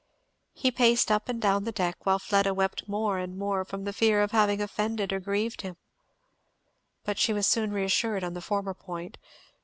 He paced up and down the deck, while Fleda wept more and more from the fear of having offended or grieved him. But she was soon reassured on the former point.